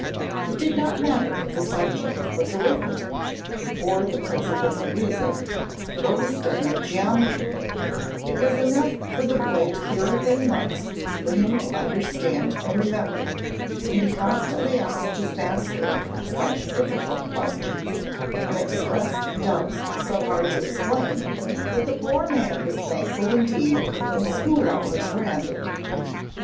It did not matter if the subject was arithmetic, or the principles of music, or the study of geometry; it was enough for the boy to hear a thing once for him to understand and remember, and he constantly asked his master such difficult questions and expressed doubts so hard to explain, that the poor man was thankful indeed when school hours were ended.